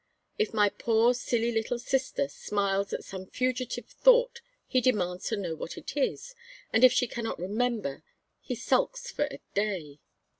If my poor silly little sister smiles at some fugitive thought he demands to know what it is, and if she cannot remember he sulks for a day.